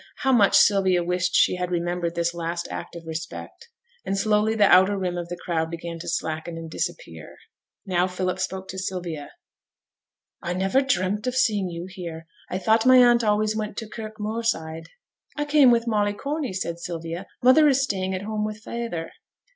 how much Sylvia wished she had remembered this last act of respect and slowly the outer rim of the crowd began to slacken and disappear. Now Philip spoke to Sylvia. 'I never dreamt of seeing you here. I thought my aunt always went to Kirk Moorside.' 'I came with Molly Corney,' said Sylvia. 'Mother is staying at home with feyther.'